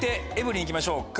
行きましょうか。